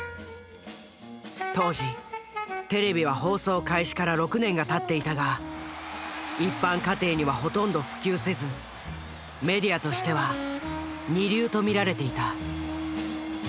当時テレビは放送開始から６年がたっていたが一般家庭にはほとんど普及せずメディアとしては二流と見られていた。